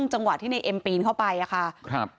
จังหวะที่ในเอ็มปีนเข้าไปอะค่ะครับ